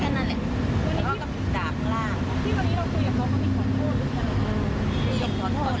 แค่นั้นแหละไม่ได้ว่าใครจับร่าง